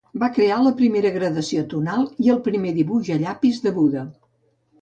Va crear la primera gradació tonal i el primer dibuix a llapis de Buda.